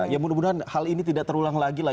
ya mudah mudahan hal ini tidak terulang lagi lah